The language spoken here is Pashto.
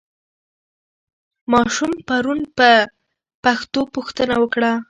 ماشوم پرون په پښتو پوښتنه وکړه.